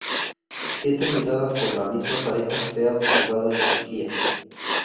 Siete nidadas por la misma pareja se ha observado en Turquía.